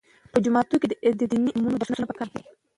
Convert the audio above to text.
په جوماتونو کې د دیني علومو درسونه پکار دي.